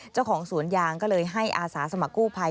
เจ้าของสวนยางก็เลยให้อาสาสมัครกู้ภัย